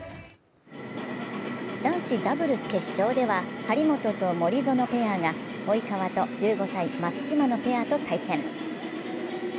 男子ダブルス決勝では張本と森薗ペアが及川と１５歳・松島のペアと対戦。